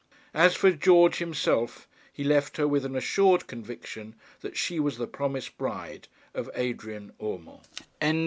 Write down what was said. As for George himself, he left her with an assured conviction that she was the promised bride of Adrian Urmand.